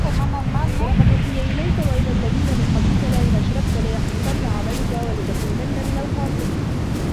وَلَقَد أوحِيَ إِلَيكَ وَإِلَى الَّذينَ مِن قَبلِكَ لَئِن أَشرَكتَ لَيَحبَطَنَّ عَمَلُكَ وَلَتَكونَنَّ مِنَ الخاسِرينَ